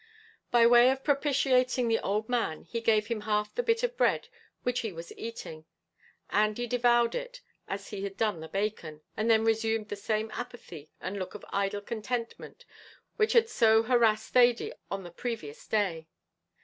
By way of propitiating the old man he gave him half the bit of bread which he was eating. Andy devoured it as he had done the bacon, and then resumed the same apathy and look of idle contentment which had so harassed Thady on the previous day.